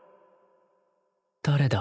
誰だ？